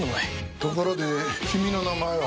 ところで君の名前は？